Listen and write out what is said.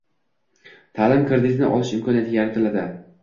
ta’lim kreditini olish imkoniyati yaratiladi.